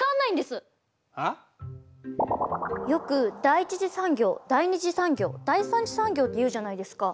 よく第１次産業第２次産業第３次産業って言うじゃないですか。